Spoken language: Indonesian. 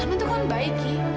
arman tuh kan baik ki